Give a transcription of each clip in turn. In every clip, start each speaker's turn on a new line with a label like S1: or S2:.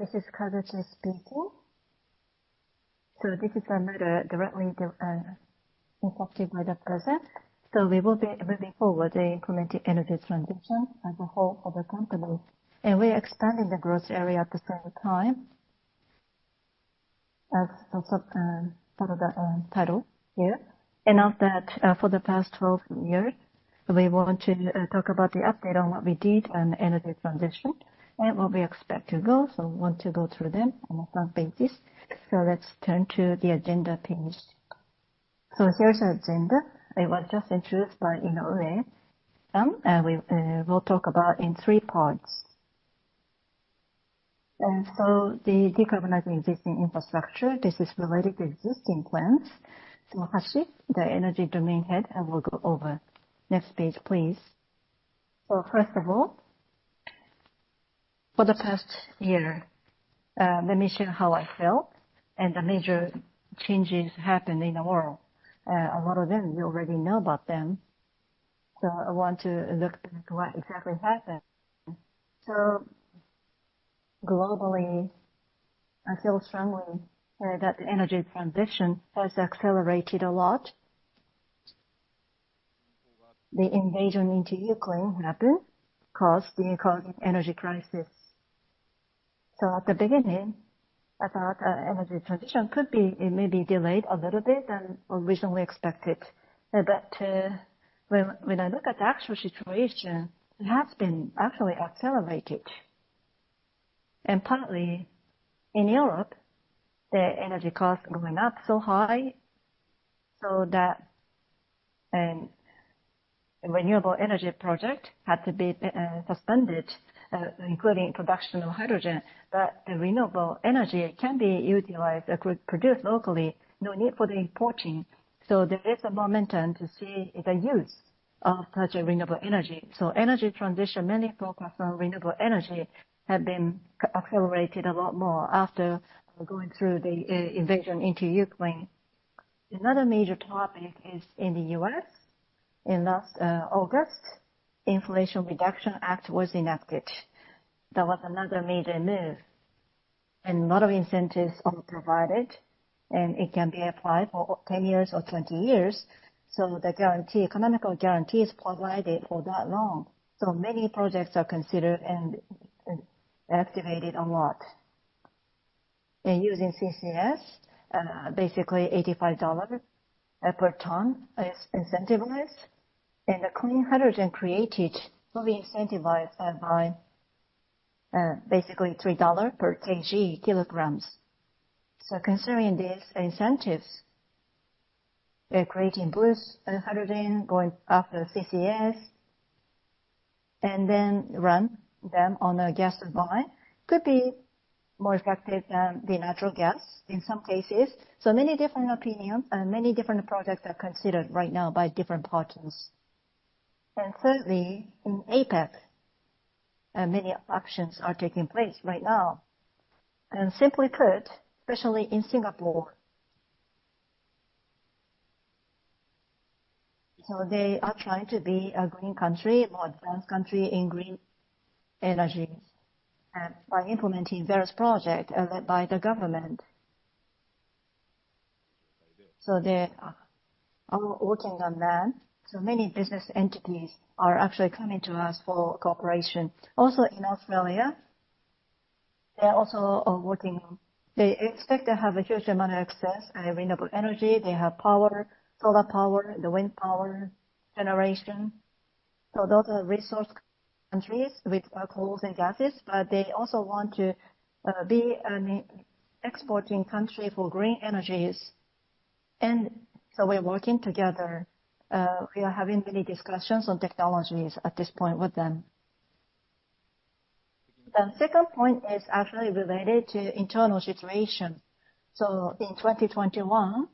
S1: This is Kazuchika speaking. This is another directly impacted by the present. We will be moving forward in implementing energy transition as a whole of the company, and we expanded the growth area at the same time. As also, part of the title here. Now that, for the past 12 years, we want to talk about the update on what we did on energy transition and what we expect to go. Want to go through them on a front basis. Let's turn to the agenda page. Here's our agenda. It was just introduced by, you know, UE. We will talk about in 3 parts. The decarbonizing existing infrastructure, this is related to existing plans. Hayashi, the Energy Domain Head, will go over. Next page, please.
S2: First of all, for the past year, let me share how I felt and the major changes happened in the world. A lot of them, you already know about them, so I want to look back what exactly happened. Globally, I feel strongly that the energy transition has accelerated a lot. The invasion into Ukraine happened, caused the economic energy crisis. At the beginning, I thought energy transition it may be delayed a little bit than originally expected. When I look at the actual situation, it has been actually accelerated. Partly in Europe, the energy costs went up so high, so that renewable energy project had to be suspended, including production of hydrogen. The renewable energy can be utilized or could produce locally, no need for the importing. There is a momentum to see the use of such a renewable energy. Energy transition, many focus on renewable energy have been accelerated a lot more after going through the invasion into Ukraine. Another major topic is in the U.S., in last August, Inflation Reduction Act was enacted. That was another major move, and a lot of incentives are provided, and it can be applied for 10 years or 20 years. The guarantee, economical guarantee is provided for that long. Many projects are considered and activated a lot. In using CCS, basically $85 per ton is incentivized, and the clean hydrogen created will be incentivized by basically $3 per kg. Considering these incentives, they're creating blue hydrogen, going after CCS, and then run them on a gas line, could be more effective than the natural gas in some cases. Many different opinion and many different projects are considered right now by different parties. Thirdly, in APEC, many actions are taking place right now. Simply put, especially in Singapore. They are trying to be a green country, more advanced country in green energy, by implementing various projects, by the government. They are all working on that. Many business entities are actually coming to us for cooperation. Also in Australia, they also are working on. They expect to have a huge amount of excess, renewable energy. They have power, solar power, the wind power generation. Those are resource countries with coals and gases, but they also want to be an exporting country for green energies. We're working together. We are having many discussions on technologies at this point with them. The second point is actually related to internal situation. In 2021,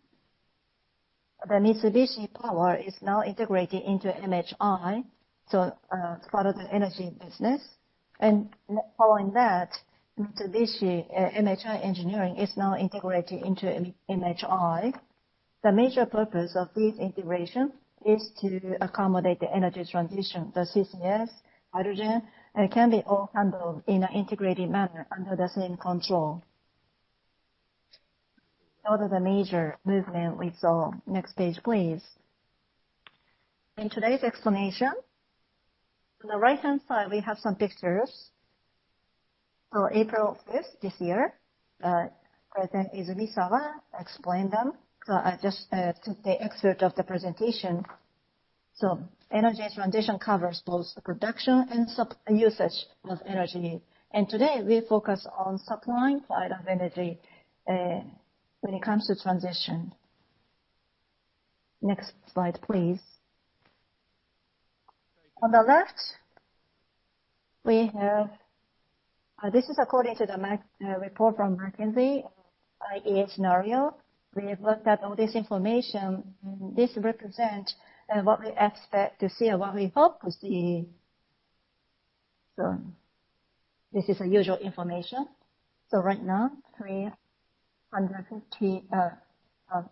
S2: the Mitsubishi Power is now integrated into MHI as part of the energy business. Following that, MHI Engineering is now integrated into MHI. The major purpose of this integration is to accommodate the energy transition. The CCS, hydrogen, can be all handled in an integrated manner under the same control. Those are the major movement we saw. Next page, please. In today's explanation, on the right-hand side, we have some pictures. April 5th, this year, President Izumisawa explained them. I just took the excerpt of the presentation. Energy transition covers both the production and usage of energy. Today, we focus on supplying part of energy when it comes to transition. Next slide, please. On the left, we have, this is according to the report from McKinsey, IEA scenario. We have looked at all this information. This represent what we expect to see or what we hope to see. This is the usual information. Right now, three- 150,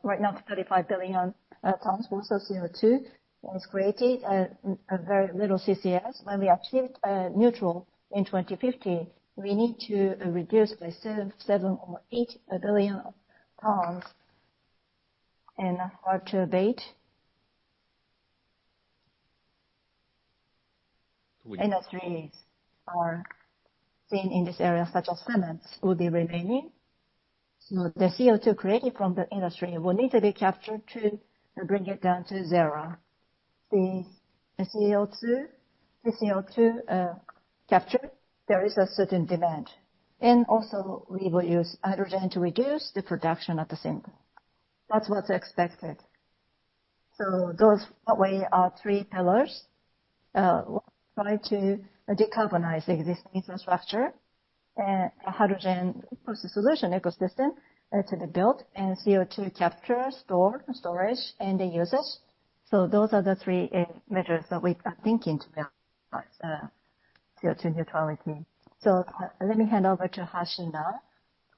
S2: right now 35 billion tons also CO2 was created. Very little CCS. When we achieve neutral in 2050, we need to reduce by 7 or 8 billion tons. Hard to abate. Industries are seen in this area, such as cements, will be remaining. The CO2 created from the industry will need to be captured to bring it down to zero. The CO2, the CO2 captured, there is a certain demand. Also we will use hydrogen to reduce the production at the same. That's what's expected. Those are the way our three pillars try to decarbonize the existing infrastructure. Hydrogen process solution ecosystem to the build, CO2 capture, storage, and usage. Those are the three measures that we are thinking to build CO2 neutrality. Let me hand over to Hayashi now.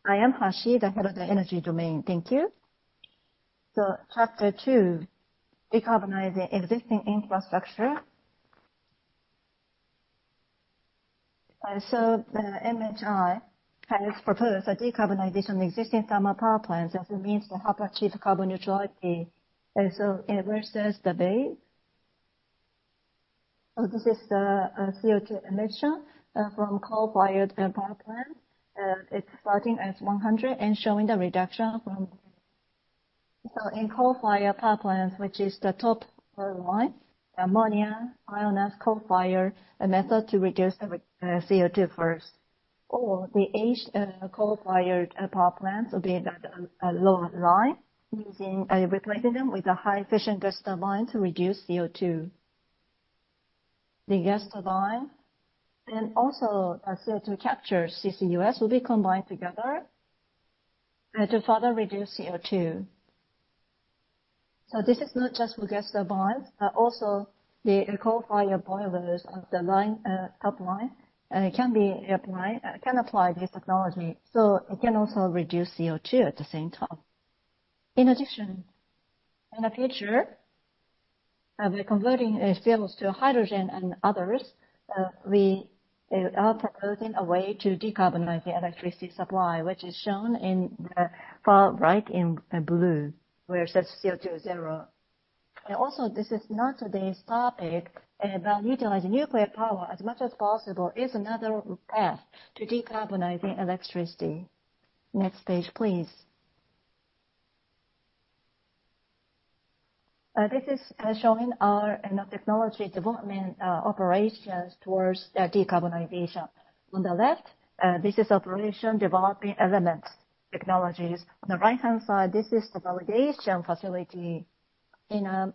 S3: I am Hayashi, the Head of Energy Domain. Thank you. Chapter 2: decarbonizing existing infrastructure. MHI has proposed a decarbonization of existing thermal power plants as a means to help achieve carbon neutrality. It versus the base. This is the CO2 emission from coal-fired power plants. It's starting as 100 and showing the reduction from... In coal-fired power plants, which is the top line, ammonia ion as coal-fired, a method to reduce the CO2 first. Or the age, coal-fired power plants will be that lower line replacing them with a high efficient gas turbine to reduce CO2. The gas turbine and also CO2 capture, CCUS, will be combined together to further reduce CO2. This is not just for gas turbines, but also the coal-fired boilers on the line, top line, can apply this technology. It can also reduce CO2 at the same time. In addition, in the future, we're converting fuels to hydrogen and others, we are proposing a way to decarbonize the electricity supply, which is shown in the far right in blue, where it says CO2 is zero. This is not today's topic, but utilizing nuclear power as much as possible is another path to decarbonizing electricity. Next page, please. This is showing our technology development operations towards decarbonization. On the left, this is operation developing element technologies. On the right-hand side, this is the validation facility in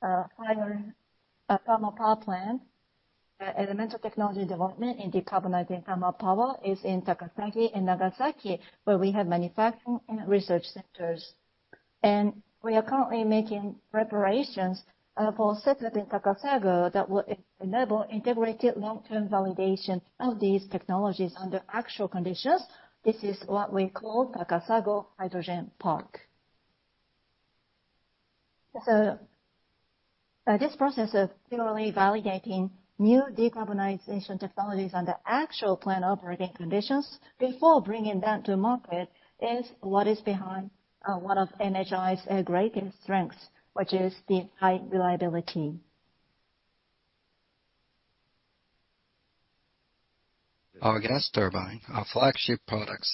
S3: firing a thermal power plant. Elemental technology development in decarbonizing thermal power is in Takasago and Nagasaki, where we have manufacturing and research centers. We are currently making preparations for a site in Takasago that will enable integrated long-term validation of these technologies under actual conditions. This is what we call Takasago Hydrogen Park. This process of similarly validating new decarbonization technologies under actual plant operating conditions before bringing them to market is what is behind a lot of MHI's greatest strengths, which is the high reliability.
S2: Our gas turbine, our flagship products,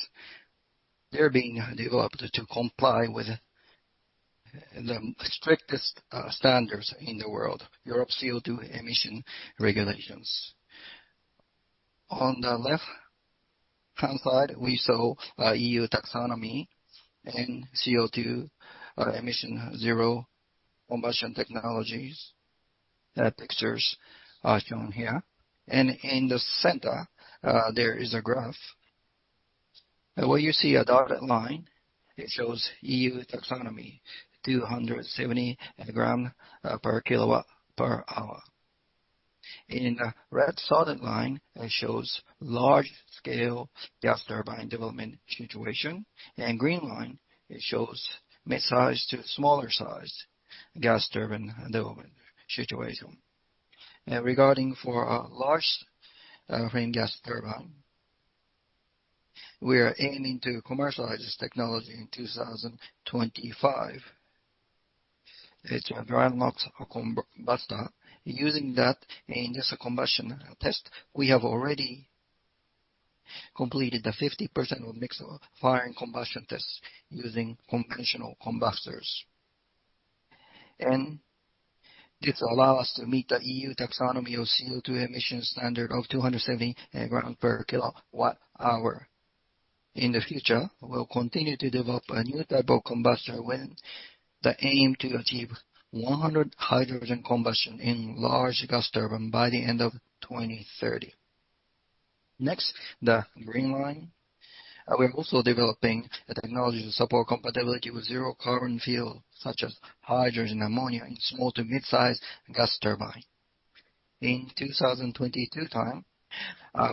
S2: they're being developed to comply with the strictest standards in the world, Europe's CO₂ emission regulations. On the left-hand side, we saw EU Taxonomy and CO₂ emission zero combustion technologies. The pictures are shown here. In the center, there is a graph. Where you see a dotted line, it shows EU Taxonomy, 270 gram per KW per hour. In the red solid line, it shows large-scale gas turbine development situation. In green line, it shows mid-size to smaller size gas turbine development situation. Regarding for our large frame gas turbine, we are aiming to commercialize this technology in 2025. It's a dry low NOx combustor. Using that in this combustion test, we have already completed the 50% of mix of firing combustion tests using conventional combustors. This allow us to meet the EU Taxonomy of CO₂ emission standard of 270 gram per kWh. In the future, we'll continue to develop a new type of combustor with the aim to achieve 100% hydrogen combustion in large gas turbine by the end of 2030. Next, the green line. We're also developing a technology to support compatibility with zero carbon fuel such as hydrogen ammonia in small to mid-size gas turbine. In 2022 time,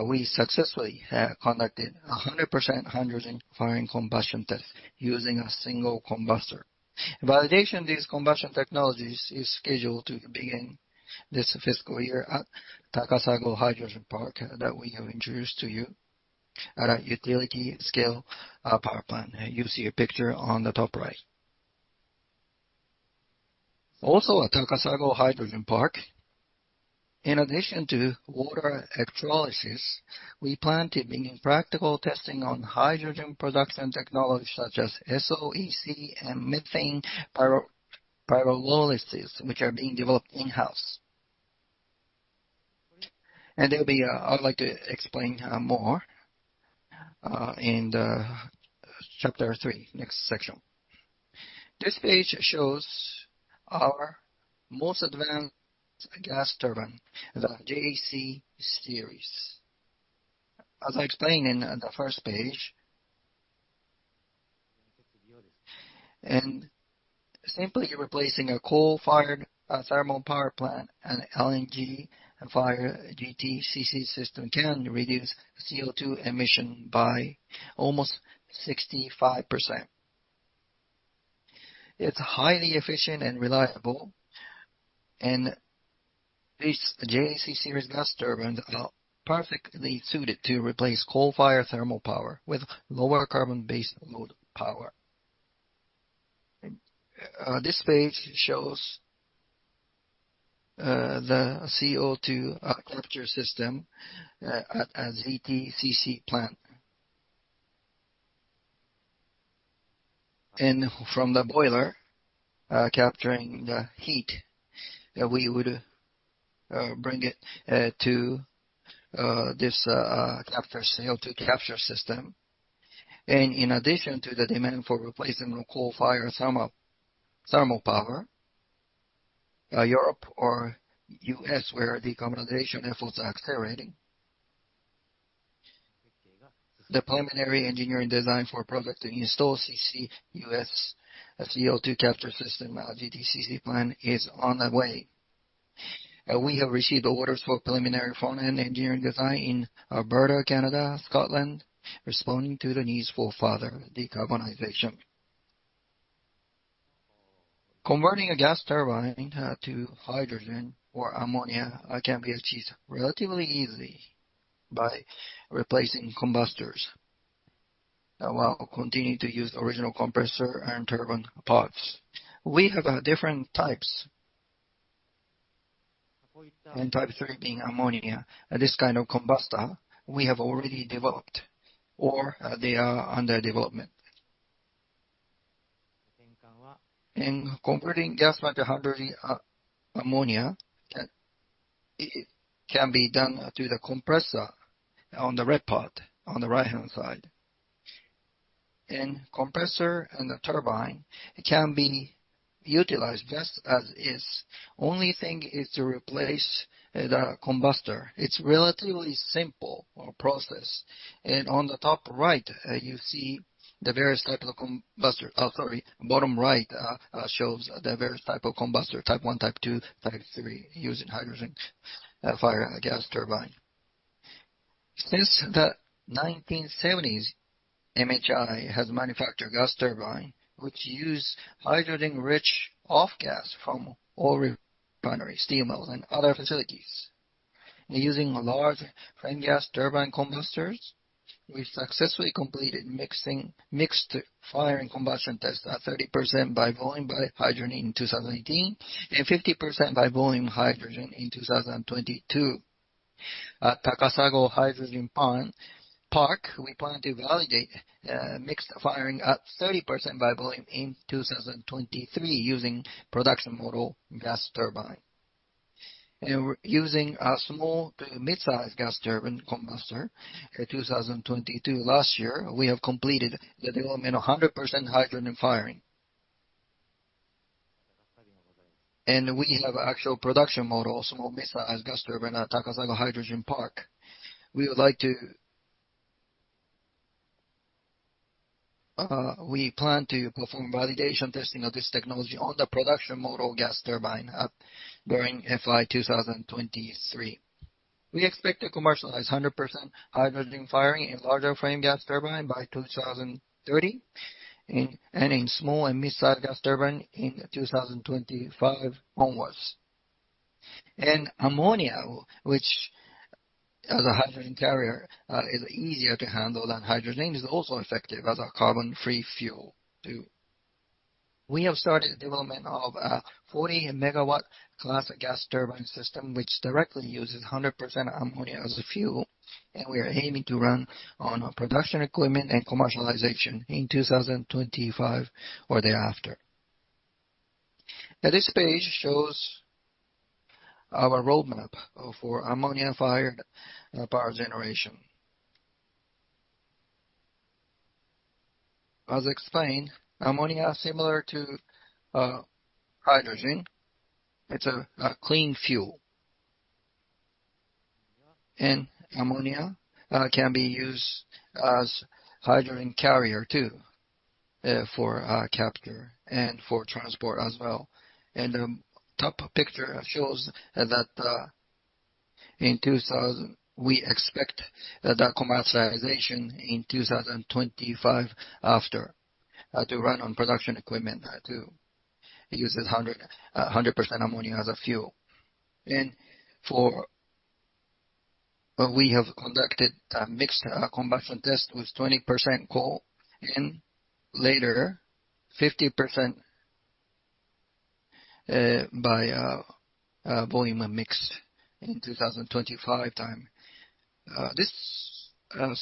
S2: we successfully conducted 100% hydrogen firing combustion test using a single combustor. Validation of these combustion technologies is scheduled to begin this fiscal year at Takasago Hydrogen Park that we have introduced to you at a utility scale power plant. You see a picture on the top right. Also at Takasago Hydrogen Park, in addition to water electrolysis, we plan to begin practical testing on hydrogen production technologies such as SOEC and methane pyrolysis, which are being developed in-house. I'd like to explain more in the chapter 3, next section. This page shows our most advanced gas turbine, the JAC-Series. As I explained in the first page. Simply replacing a coal-fired thermal power plant and LNG-fired GTCC system can reduce CO₂ emission by almost 65%. It's highly efficient and reliable. These JAC-Series gas turbine are perfectly suited to replace coal-fired thermal power with lower carbon-based load power. This page shows the CO₂ capture system at a GTCC plant. From the boiler, capturing the heat that we would bring it to this CO₂ capture system. In addition to the demand for replacing coal-fired thermal power, Europe or U.S., where decarbonization efforts are accelerating. The preliminary engineering design for a project to install CCUS CO2 capture system at GTCC plant is on the way. We have received orders for preliminary front-end engineering design in Alberta, Canada, Scotland, responding to the needs for further decarbonization. Converting a gas turbine to hydrogen or ammonia can be achieved relatively easily by replacing combustors that will continue to use original compressor and turbine parts. We have different types. Type 3 being ammonia. This kind of combustor we have already developed, or they are under development. Converting gas to hydrogen, ammonia can be done through the compressor on the red part on the right-hand side. Compressor and the turbine can be utilized just as is. Only thing is to replace the combustor. It's relatively simple process. On the top right, you see the various type of combustor. Sorry, bottom right shows the various type of combustor, type one, type two, type three, using hydrogen firing gas turbine. Since the 1970s, MHI has manufactured gas turbine, which use hydrogen-rich off gas from oil refineries, steel mills, and other facilities. Using large frame gas turbine combustors, we successfully completed mixing, mixed firing combustion tests at 30% by volume by hydrogen in 2018, and 50% by volume hydrogen in 2022. At Takasago Hydrogen Park, we plan to validate mixed firing at 30% by volume in 2023 using production model gas turbine. Using a small to midsize gas turbine combustor in 2022 last year, we have completed the development of 100% hydrogen firing. We have actual production model, small to midsize gas turbine at Takasago Hydrogen Park. We plan to perform validation testing of this technology on the production model gas turbine at during FY 2023. We expect to commercialize 100% hydrogen firing in larger frame gas turbine by 2030, and in small and midsize gas turbine in 2025 onwards. Ammonia, which as a hydrogen carrier, is easier to handle than hydrogen, is also effective as a carbon-free fuel too. We have started development of a 40-KW class gas turbine system which directly uses 100% ammonia as a fuel. We are aiming to run on production equipment and commercialization in 2025 or thereafter. This page shows our roadmap for ammonia-fired power generation. As explained, ammonia are similar to hydrogen. It's a clean fuel. Ammonia can be used as hydrogen carrier too, for capture and for transport as well. The top picture shows that we expect the commercialization in 2025 after to run on production equipment to use a 100% ammonia as a fuel. We have conducted a mixed combustion test with 20% coal and later 50% by volume mix in 2025 time. This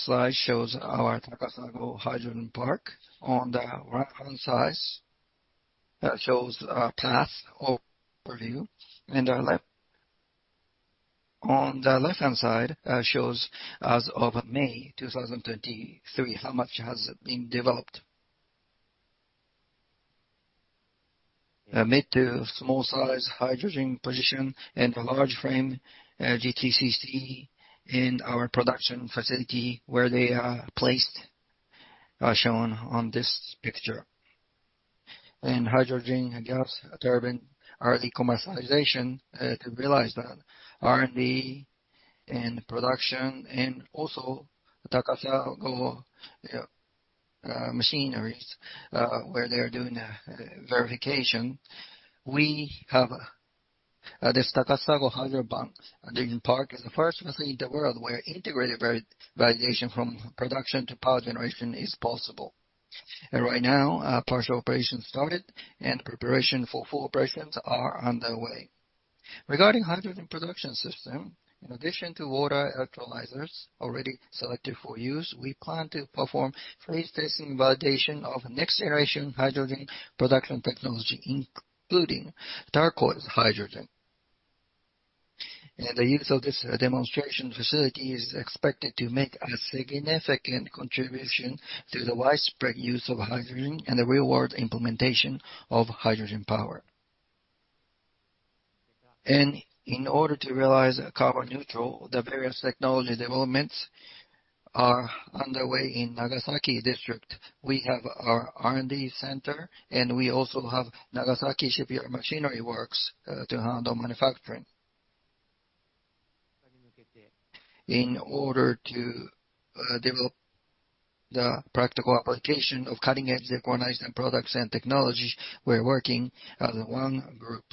S2: slide shows our Takasago Hydrogen Park. On the right-hand size shows our path overview. Our left, on the left-hand side shows as of May 2023 how much has been developed. A mid to small size hydrogen position and a large frame GTCC in our production facility where they are placed shown on this picture. Hydrogen gas turbine early commercialization to realize that R&D and production and also Takasago machineries where they are doing verification. We have this Takasago Hydrogen Park is the first facility in the world where integrated validation from production to power generation is possible. Right now partial operations started, and preparation for full operations are underway. Regarding hydrogen production system, in addition to water electrolyzers already selected for use, we plan to perform phase-testing validation of next-generation hydrogen production technology, including turquoise hydrogen. The use of this demonstration facility is expected to make a significant contribution to the widespread use of hydrogen and the real-world implementation of hydrogen power. In order to realize a carbon neutral, the various technology developments are underway in Nagasaki district. We have our R&D center, and we also have Nagasaki Shipyard Machinery Works to handle manufacturing. In order to develop the practical application of cutting-edge decarbonization products and technologies, we're working as one group.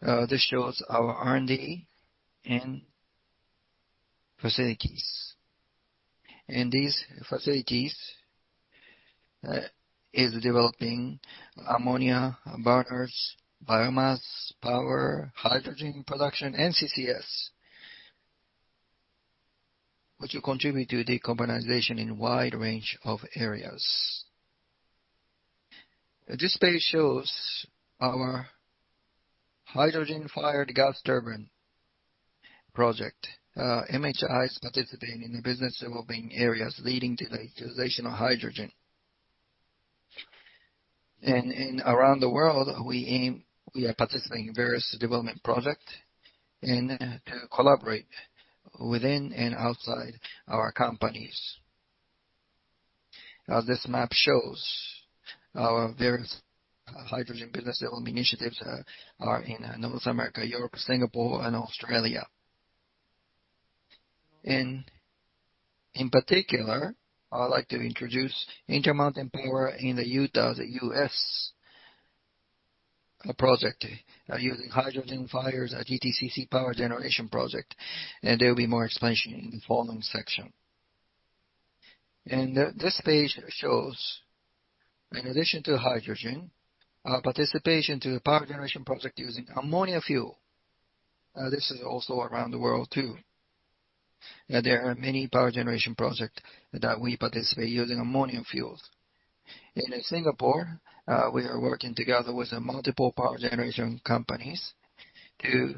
S2: This shows our R&D and facilities. These facilities is developing ammonia burners, biomass power, hydrogen production, and CCS, which will contribute to decarbonization in a wide range of areas. This page shows our hydrogen-fired gas turbine project. MHI is participating in the business developing areas leading to the utilization of hydrogen. In around the world, we are participating in various development project and collaborate within and outside our companies. This map shows our various hydrogen business development initiatives are in North America, Europe, Singapore and Australia. In particular, I would like to introduce Intermountain Power in the Utah, the U.S., project using hydrogen fires a GTCC power generation project, and there will be more explanation in the following section. This page shows in addition to hydrogen, our participation to the power generation project using ammonia fuel. This is also around the world too. There are many power generation project that we participate using ammonia fuels. In Singapore, we are working together with multiple power generation companies to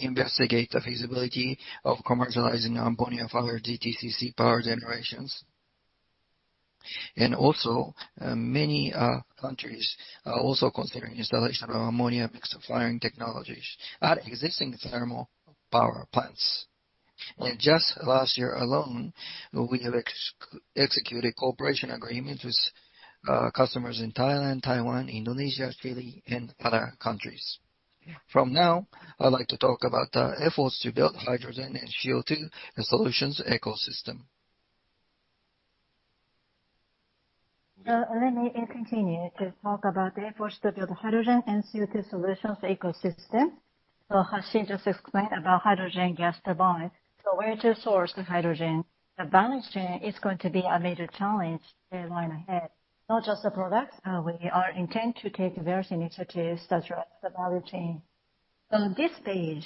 S2: investigate the feasibility of commercializing ammonia-fired GTCC power generations. Also, many countries are also considering installation of ammonia mixed firing technologies at existing thermal power plants. Just last year alone, we have executed cooperation agreements with customers in Thailand, Taiwan, Indonesia, Chile and other countries. From now, I'd like to talk about efforts to build hydrogen and CO2 solutions ecosystem.
S1: Let me continue to talk about the efforts to build hydrogen and CO2 solutions ecosystem. Hayashi just explained about hydrogen gas turbine. Where to source the hydrogen? The balance chain is going to be a major challenge in line ahead. Not just the products, we are intent to take various initiatives such as technology. This page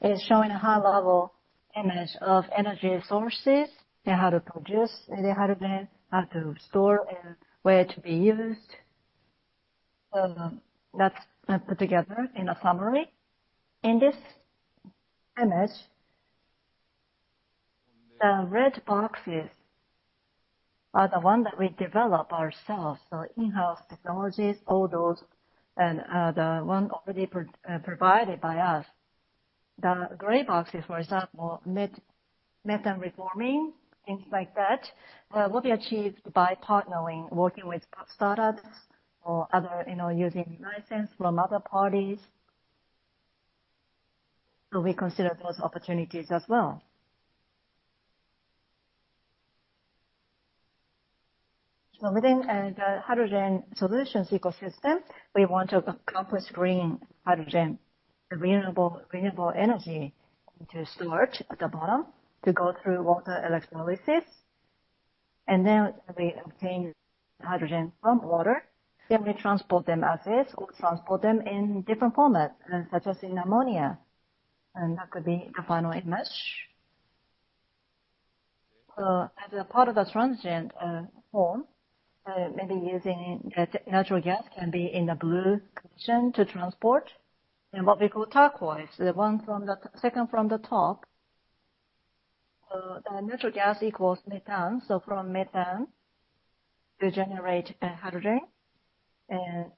S1: is showing a high-level image of energy sources and how to produce the hydrogen, how to store and where to be used. That's put together in a summary. In this image. The red boxes are the one that we develop ourselves. In-house technologies, all those and the one already provided by us. The gray boxes, for example, methane reforming, things like that, will be achieved by partnering, working with startups or other. You know, using license from other parties. We consider those opportunities as well. Within the hydrogen solutions ecosystem, we want to accomplish green hydrogen. The renewable energy into storage at the bottom to go through water electrolysis, we obtain hydrogen from water, we transport them as is or transport them in different formats, such as in ammonia, and that could be the final image. As a part of the transient form, maybe using natural gas can be in the blue condition to transport. What we call turquoise, the one second from the top. The natural gas equals methane, from methane we generate hydrogen and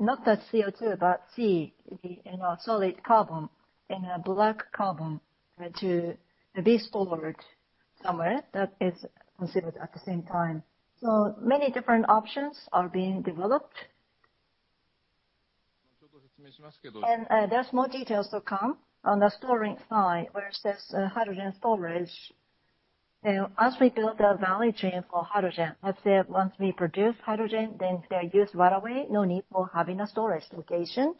S1: not the CO2, but C, the, you know, solid carbon and black carbon to be stored somewhere that is considered at the same time. Many different options are being developed. There's more details to come on the storing side, where it says hydrogen storage. You know, as we build the value chain for hydrogen, let's say once we produce hydrogen, then they are used right away. No need for having a storage location.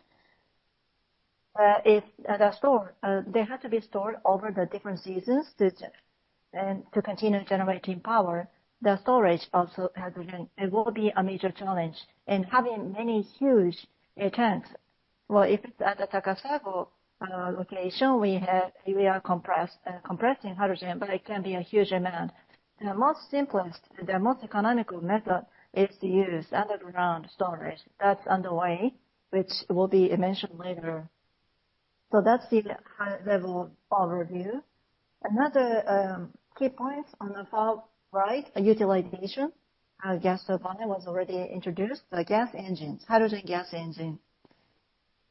S1: If they're stored, they have to be stored over the different seasons to continue generating power, the storage also hydrogen, it will be a major challenge, and having many huge tanks. Well, if it's at the Takasago location, we are compressing hydrogen, but it can be a huge amount. The most simplest, the most economical method is to use underground storage. That's underway, which will be mentioned later. That's the high level overview. Another key point on the far right, utilization. Our gas turbine was already introduced. The gas engines, hydrogen gas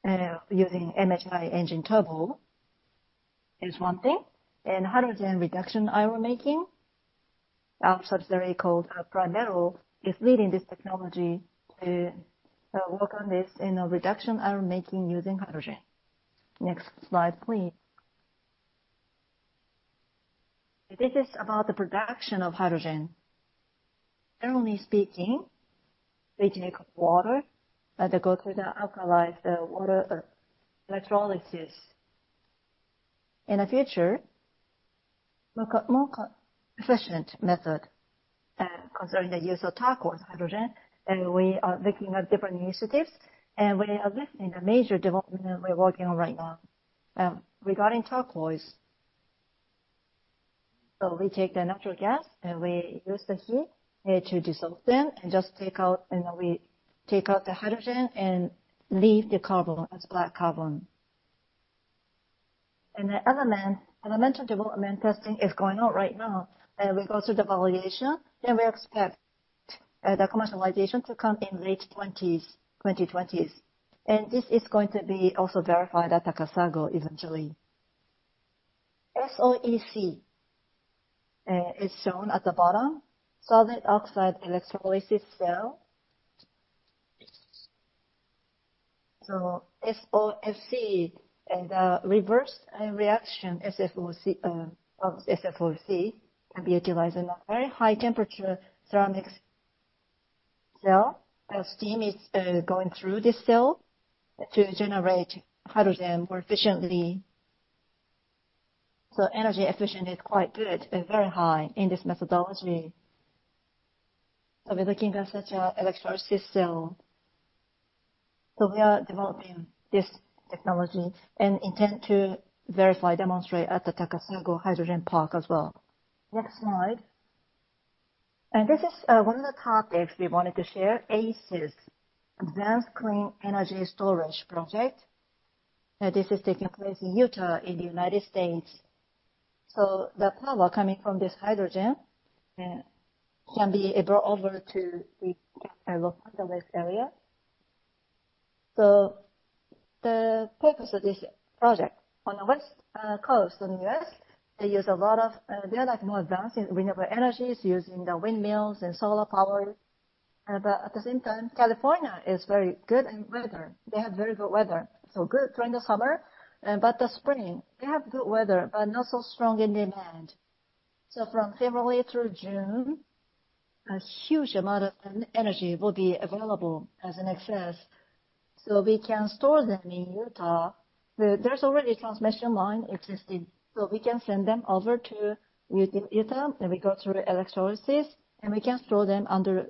S1: engine, using H2 engine turbo is one thing. Hydrogen reduction iron making. Our subsidiary called Primetals, is leading this technology to work on this in a reduction iron making using hydrogen. Next slide, please. This is about the production of hydrogen. Generally speaking, they take water, and they go through the alkali water electrolysis. In the future, more co-efficient method concerning the use of turquoise hydrogen, we are looking at different initiatives, and we are listing the major development we are working on right now regarding turquoise. We take the natural gas, and we use the heat, H2 dissolution, and just take out, and then we take out the hydrogen and leave the carbon as black carbon. The elemental development testing is going on right now, and we go through the validation, and we expect the commercialization to come in late 2020s. This is going to be also verified at Takasago eventually. SOEC is shown at the bottom, solid oxide electrolysis cell. SOFC is a reverse reaction, of SOFC can be utilized in a very high temperature ceramics cell as steam is going through this cell to generate hydrogen more efficiently. Energy efficient is quite good and very high in this methodology. We're looking at such a electrolysis cell. We are developing this technology and intend to verify, demonstrate at the Takasago Hydrogen Park as well. Next slide. This is one of the topics we wanted to share, ACES, Advanced Clean Energy Storage project. This is taking place in Utah in the United States. The power coming from this hydrogen can be brought over to the area. The purpose of this project on the west coast on U.S., they use a lot of, they are, like, more advanced in renewable energies using the windmills and solar power. At the same time, California is very good in weather. They have very good weather, so good during the summer, but the spring they have good weather but not so strong in demand. From February through June, a huge amount of energy will be available as an excess, so we can store them in Utah. There's already a transmission line existing, so we can send them over to Utah, then we go through electrolysis, and we can store them under...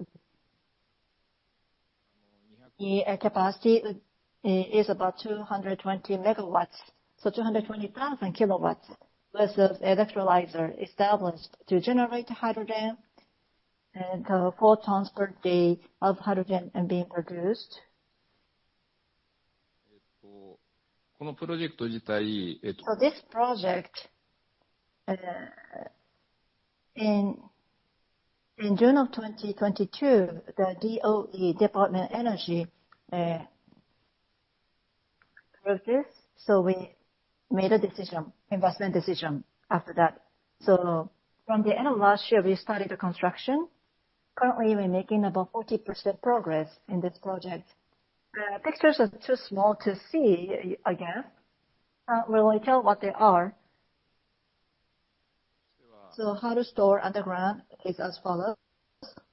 S1: The capacity is about 220 MW. 220,000 KW worth of electrolyzer established to generate hydrogen and 4 tons per day of hydrogen being produced. For this project, in June of 2022, the DOE, Department Energy, approved this. We made a decision, investment decision after that. From the end of last year, we started the construction. Currently, we're making about 40% progress in this project. The pictures are too small to see again. Can't really tell what they are. How to store underground is as follows.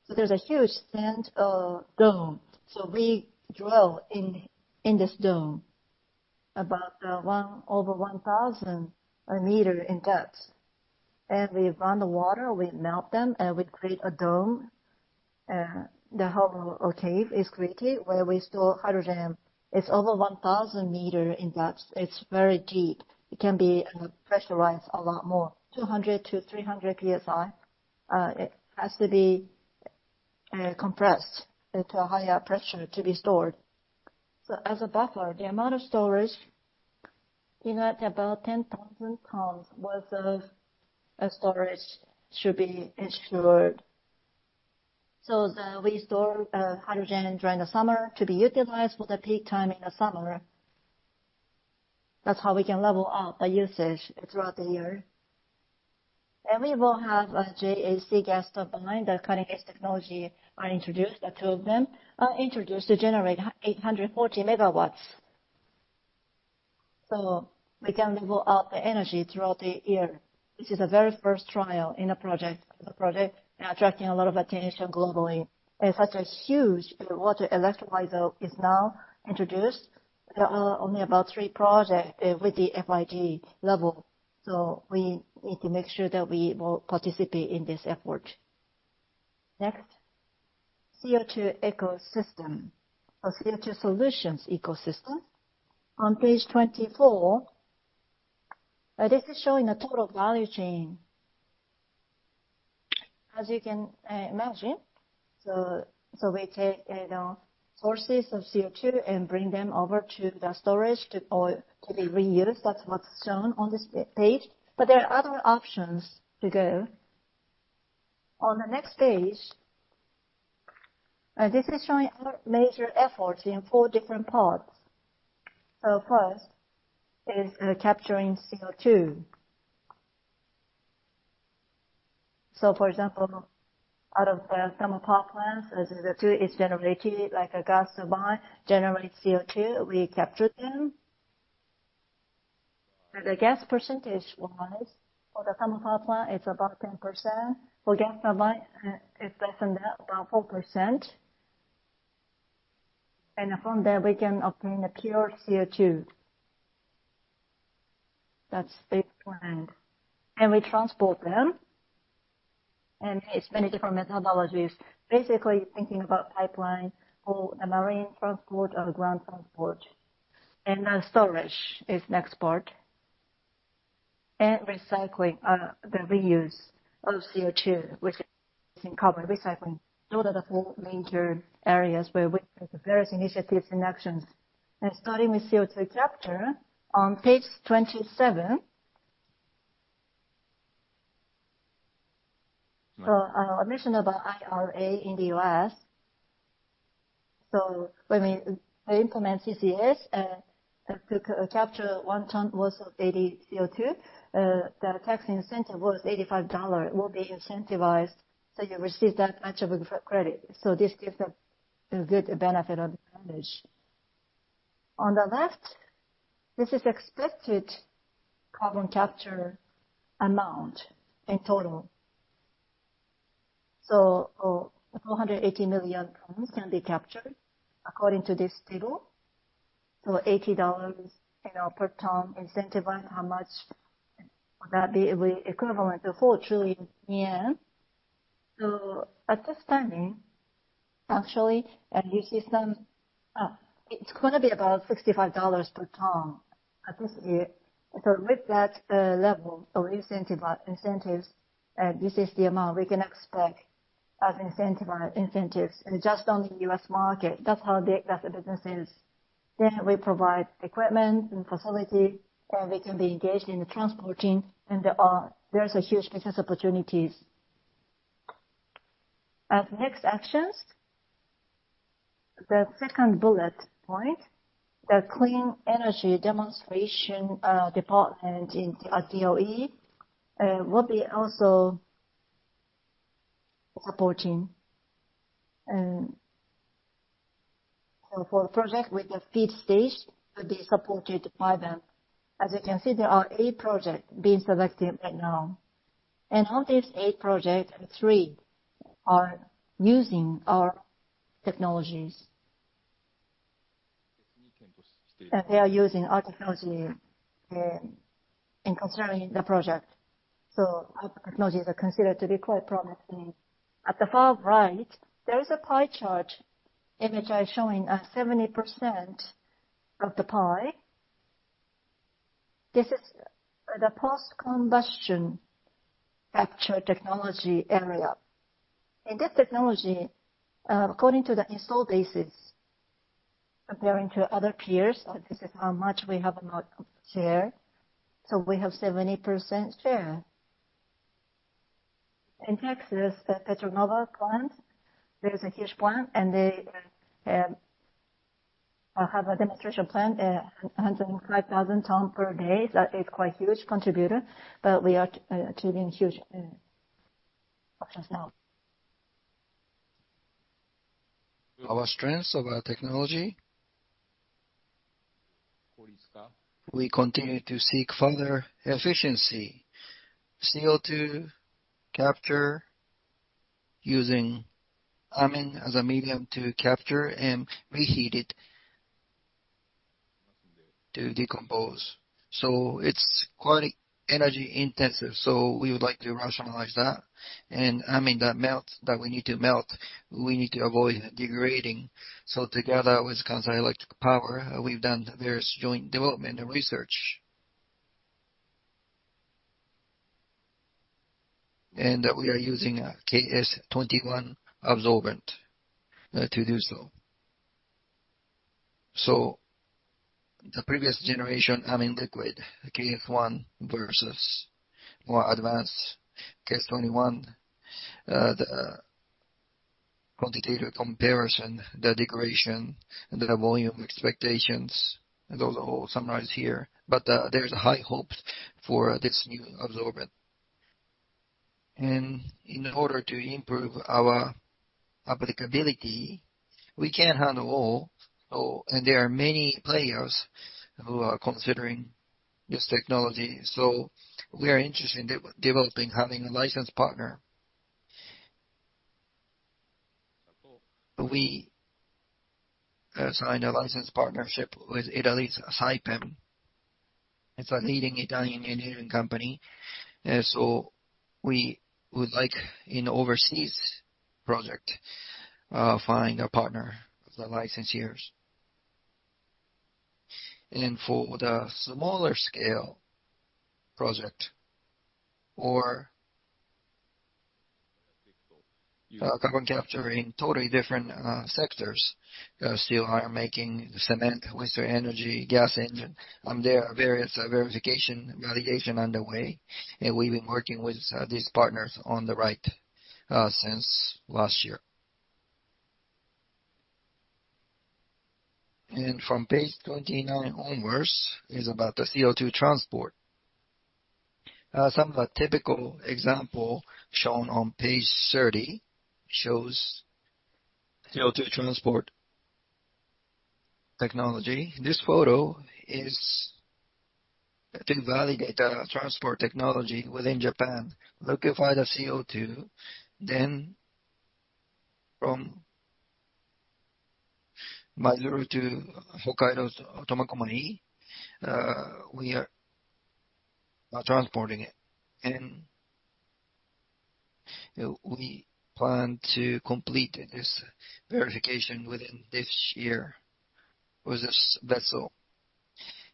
S1: There's a huge sand dome. We drill in this dome about over 1,000 meter in depth. We run the water, we melt them, and we create a dome. The hollow cave is created where we store hydrogen. It's over 1,000 meter in depth. It's very deep. It can be pressurized a lot more, 200-300 PSI. It has to be compressed into a higher pressure to be stored. As a buffer, the amount of storage is at about 10,000 tons worth of storage should be ensured. We store hydrogen during the summer to be utilized for the peak time in the summer. That's how we can level up the usage throughout the year. We will have a JAC gas turbine, the cutting edge technology I introduced, the two of them introduced to generate 840 MW. We can level up the energy throughout the year. This is the very first trial in a project. The project is attracting a lot of attention globally. Such a huge water electrolyzer is now introduced. There are only about three projects with the FYG level. We need to make sure that we will participate in this effort. Next, CO2 ecosystem or CO2 solutions ecosystem. On page 24, this is showing the total value chain. As you can imagine, so we take, you know, sources of CO2 and bring them over to the storage or to be reused. That's what's shown on this page. There are other options to go. On the next page, this is showing our major efforts in four different parts. First is capturing CO2. For example, out of the thermal power plants, CO2 is generated, like a gas turbine generates CO2, we capture them. The gas percentage-wise, for the thermal power plant, it's about 10%. For gas turbine, it's less than that, about 4%. From there, we can obtain the pure CO2. That's stage one. We transport them, and it's many different methodologies. Basically thinking about pipeline or a marine transport or ground transport. Storage is next part. Recycling, the reuse of CO2, which is in carbon recycling. Those are the four major areas where we take various initiatives and actions. Starting with CO2 capture on page 27. Our mission about IRA in the U.S. When we implement CCS, to capture 1 ton worth of AD CO2, the tax incentive worth $85 will be incentivized, so you receive that much of credit. This gives a good benefit or advantage. On the left, this is expected carbon capture amount in total. 480 million tons can be captured according to this table. $80, you know, per ton incentive on how much would that be equivalent to 4 trillion yen. At this timing, actually, this is some. It's gonna be about $65 per ton at this year. With that level of incentive, incentives, this is the amount we can expect as incentive, incentives in just on the U.S. market. That's how big that the business is. We provide equipment and facility, or we can be engaged in the transporting. There's a huge business opportunities. At next actions, the second bullet point, the Clean Energy Demonstration Department in DOE will be also supporting. For a project with the FEED stage will be supported by them. As you can see, there are 8 projects being selected right now. Out of these 8 projects, 3 are using our technologies. They are using our technology in considering the project. Our technologies are considered to be quite promising. At the far right, there is a pie chart image I'm showing, 70% of the pie. This is the post-combustion capture technology area. In this technology, according to the install bases, comparing to other peers, this is how much we have a market share. We have 70% share. In Texas, the Petra Nova plant, there is a huge plant and they have a demonstration plant handling 5,000 tons per day. That is quite huge contributor, but we are achieving huge options now.
S2: Our strengths of our technology. We continue to seek further efficiency. CO2 capture using amine as a medium to capture and reheat it to decompose. It's quite energy-intensive, so we would like to rationalize that. Amine that we need to melt, we need to avoid degrading. Together with Kansai Electric Power, we've done various joint development and research. We are using KS-21 absorbent to do so. The previous generation amine liquid, KS-1 versus more advanced KS-21. The quantitative comparison, the degradation, and the volume expectations, those all summarized here. There's high hopes for this new absorbent. In order to improve our applicability, we can't handle all. There are many players who are considering this technology, so we are interested in de-developing, having a license partner. We signed a license partnership with Italy's Saipem. It's a leading Italian engineering company, so we would like in overseas project, find a partner, the licensors. For the smaller scale project or carbon capture in totally different sectors, steel iron making, cement, waste-to-energy, gas engine, and there are various verification, validation underway. We've been working with these partners on the right since last year. From page 29 onwards is about the CO₂ transport. Some of the typical example shown on page 30 shows CO₂ transport technology. This photo is to validate the transport technology within Japan. Liquefy the CO₂, then from Maizuru to Hokkaido's Tomakomai, we are transporting it. We plan to complete this verification within this year with this vessel.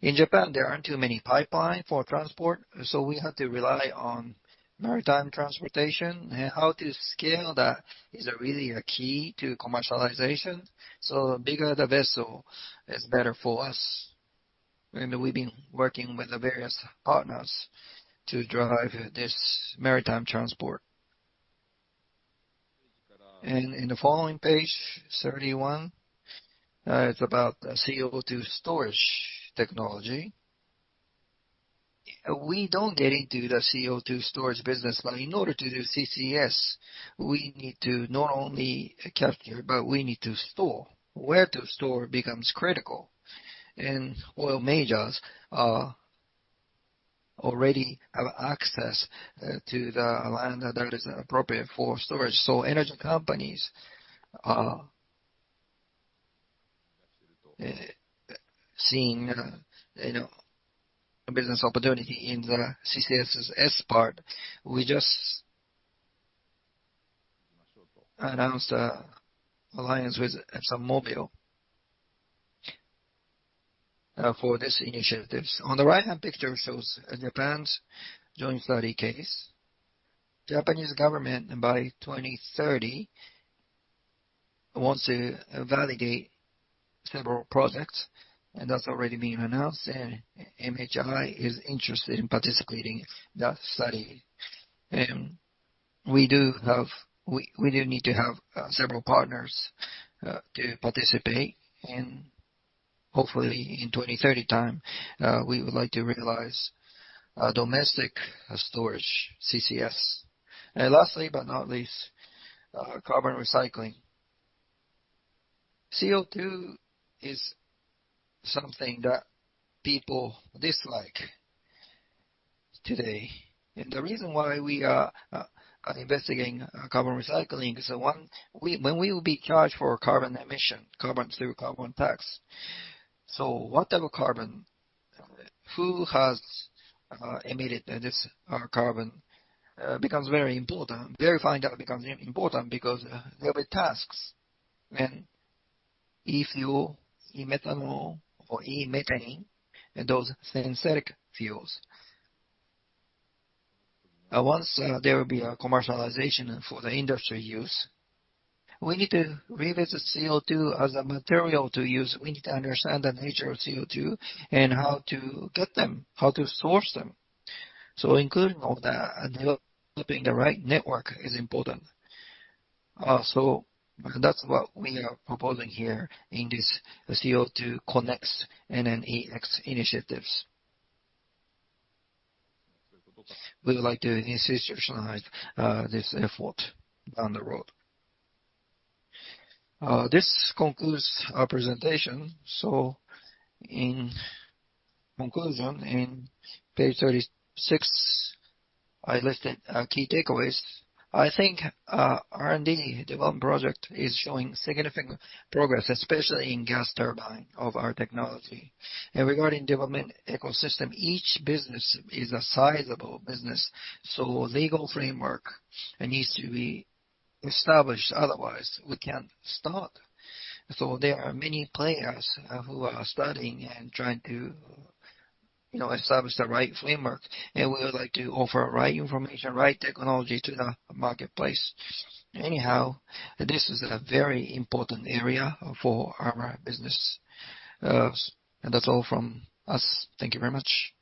S2: In Japan, there aren't too many pipeline for transport, so we have to rely on maritime transportation. How to scale that is really a key to commercialization. The bigger the vessel is better for us. We've been working with the various partners to drive this maritime transport. In the following page, 31, it's about the CO₂ storage technology. We don't get into the CO₂ storage business, but in order to do CCS, we need to not only capture, but we need to store. Where to store becomes critical. Oil majors already have access to the land that is appropriate for storage. Energy companies are seeing, you know, a business opportunity in the CCS part. We just announced a alliance with ExxonMobil for this initiatives. On the right-hand picture shows Japan's joint study case. Japanese government by 2030 wants to validate several projects, and that's already being announced. MHI is interested in participating in that study. We do need to have several partners to participate. Hopefully in 2030 time, we would like to realize a domestic storage CCS. Lastly but not least, carbon recycling. CO2 is something that people dislike today. The reason why we are investigating carbon recycling is that, one, when we will be charged for carbon emission, carbon through carbon tax. What type of carbon, who has emitted this carbon, becomes very important. Verifying that becomes important because there will be tasks when e-fuel, e-methanol or e-methane and those synthetic fuels. Once there will be a commercialization for the industry use, we need to revisit CO2 as a material to use. We need to understand the nature of CO2 and how to get them, how to source them. Including all that and developing the right network is important. That's what we are proposing here in this CO₂NEX initiatives. We would like to emphasize this effort down the road. This concludes our presentation. In conclusion, in page 36, I listed our key takeaways. I think R&D development project is showing significant progress, especially in gas turbine of our technology. Regarding development ecosystem, each business is a sizable business, so legal framework needs to be established, otherwise we can't start. There are many players who are studying and trying to, you know, establish the right framework, and we would like to offer right information, right technology to the marketplace. Anyhow, this is a very important area for our business. That's all from us. Thank you very much.